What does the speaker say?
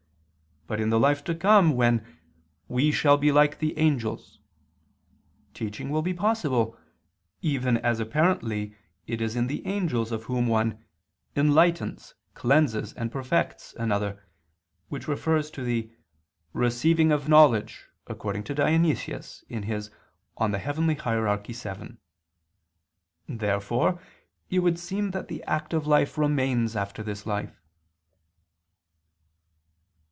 But in the life to come when "we shall be like the angels," teaching will be possible: even as apparently it is in the angels of whom one "enlightens, cleanses, and perfects" [*Coel. Hier. iii, viii] another, which refers to the "receiving of knowledge," according to Dionysius (Coel. Hier. vii). Therefore it would seem that the active life remains after this life.